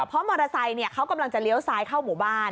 เพราะมอเตอร์ไซค์เขากำลังจะเลี้ยวซ้ายเข้าหมู่บ้าน